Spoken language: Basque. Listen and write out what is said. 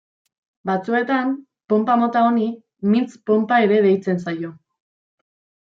Batzuetan, ponpa mota honi, mintz ponpa ere deitzen zaio.